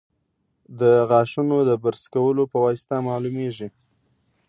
د غاښونو د برس کولو په واسطه معلومېږي.